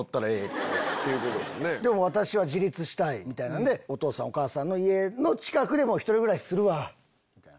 私は自立したい！みたいなんでお父さんお母さんの家の近くで１人暮らしするわ！みたいな。